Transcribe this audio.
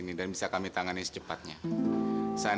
aku dulu mau salvakej pengecut muka passengers